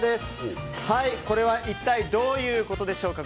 これは一体どういうことでしょうか。